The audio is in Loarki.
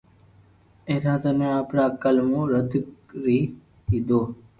اراده ني آپري عقل مون رڌ ري ڌيڌو